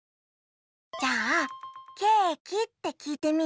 じゃあ「ケーキ？」ってきいてみようよ。